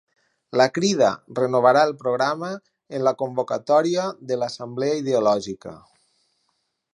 La Crida renovarà el programa amb la convocatòria de l'assemblea ideològica